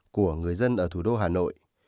của người dân ở thủ đô hà nội